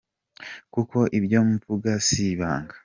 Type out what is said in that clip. Kuko ibyo mvuga si ibanga.